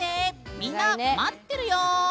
みんな、待ってるよ！